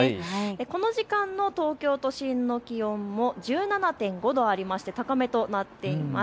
この時間の東京都心の気温も１７．５度ありまして高めとなっています。